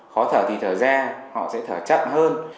khó thở thì thở ra họ sẽ thở chắc hơn